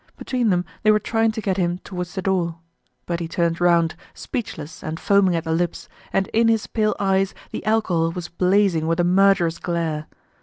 Between them they were trying to get him towards the door. But he turned round, speechless and foaming at the lips, and in his pale eyes the alcohol was blazing with a murderous glare.